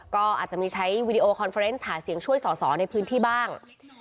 ก็อาจจะมีใช้วีดีโอคอนเฟอร์เนส์หาเสียงช่วยสอสอในพื้นที่บ้าง